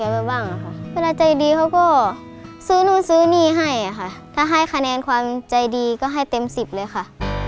ไปบ้างค่ะเวลาใจดีเขาก็ซื้อนู่นซื้อนี่ให้ค่ะถ้าให้คะแนนความใจดีก็ให้เต็มสิบเลยค่ะ